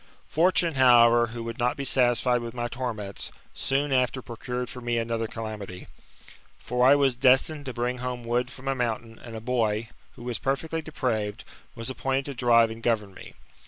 Fortune, however, who would not be satisfied with my torments, soon after procured for me another calamity. For I was destined to bring home wood from a mountain, and a boy, who was perfectly depraved, was appointed to drive and govern me.